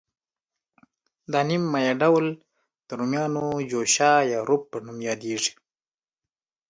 دا نیم مایع ډول د رومیانو جوشه یا روب په نوم یادیږي.